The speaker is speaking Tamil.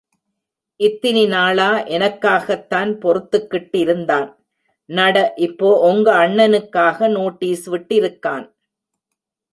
இத்தினி நாளா எனக்காகத் தான் பொறுத்துக்கிட்டு இருந்தான்... நட இப்போ ஒங்க அண்ணனுக்காக நோட்டீஸ் விட்டிருக்கான்.